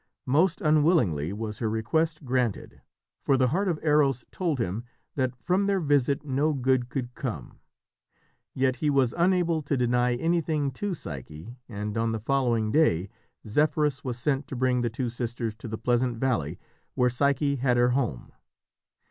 Most unwillingly was her request granted, for the heart of Eros told him that from their visit no good could come. Yet he was unable to deny anything to Psyche, and on the following day Zephyrus was sent to bring the two sisters to the pleasant valley where Psyche had her home.